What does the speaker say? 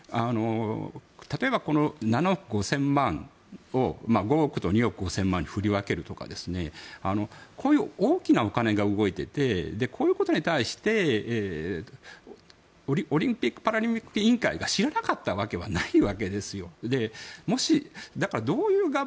例えば７億５０００万を５億と２億５０００万に振り分けるとかこういう大きなお金が動いていてこういうことに対してオリンピック・パラリンピック委員会が知らなかったわけがないわけですよ。